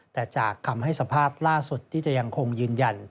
แต่จากคำให้สัมภาษณ์ล่าสุดที่จะยังคงยืนยัน